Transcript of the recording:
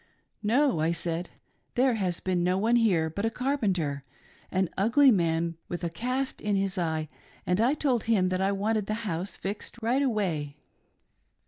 " No," I said, " there has been no one here but a carpenter — an ugly man with a cast in his eye, and I told him that I wanted the house fixed right away."